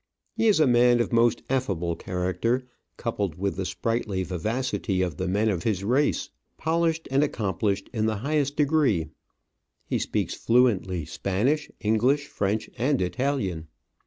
He is a man of most affable character, coupled with the sprightly vivacity of the DOCTOR AURELIO MUTIS. men of his race, polished and accomplished in the highest degree. He speaks fluently Spanish, English, French, and Italian.